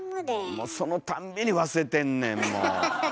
もうそのたんびに忘れてんねんもう。